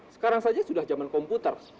sekarang saja sudah zaman komputer